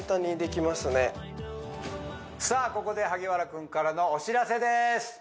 ここで萩原君からのお知らせです